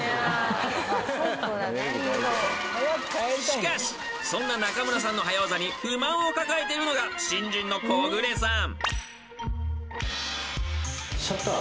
［しかしそんな中村さんの早ワザに不満を抱えているのが新人の木暮さん］